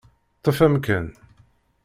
Ṭṭef amkan.